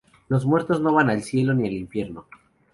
Los muertos no van al cielo ni al infierno.